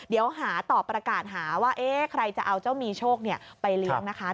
เดี๋ยวหาต่อประกาศหาว่าใครจะเอาเจ้ามีโชคไปเลี้ยงนะคะ